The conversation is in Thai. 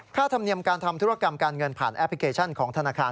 ธรรมเนียมการทำธุรกรรมการเงินผ่านแอปพลิเคชันของธนาคาร